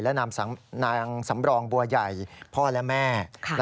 และนางสำรองบัวใหญ่พ่อและแม่